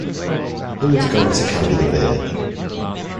Who is going to carry the beer?